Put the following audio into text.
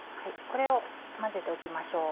これを混ぜておきましょう。